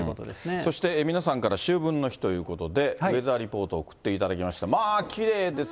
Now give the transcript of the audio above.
そして皆さんから秋分の日ということで、ウェザーリポート送っていただきました。